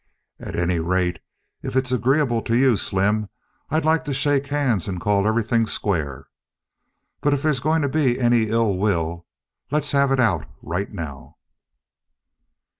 At any rate, if it's agreeable to you, Slim, I'd like to shake hands and call everything square. But if there's going to be any ill will, let's have it out right now."